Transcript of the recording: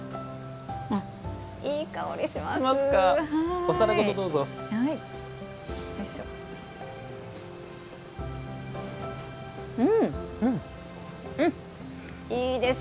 いい香りします！